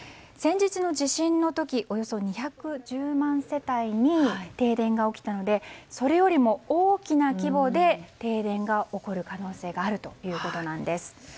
先日の地震の時およそ２１０万世帯に停電が起きたのでそれよりも大規模な停電が起こる可能性があるということです。